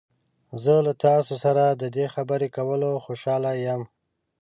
زه له تاسو سره د دې خبرې کولو خوشحاله یم.